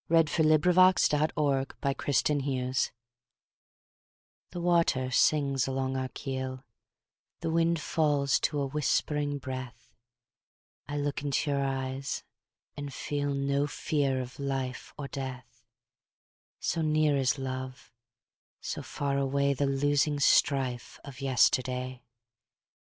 1900. By SophieJewett 1502 Armistice THE WATER sings along our keel, The wind falls to a whispering breath;I look into your eyes and feelNo fear of life or death; So near is love, so far awayThe losing strife of yesterday.